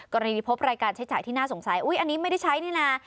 กรณีพบรายการใช้จ่ายที่น่าสงสัยอันนี้ไม่ได้ใช้นี่นะ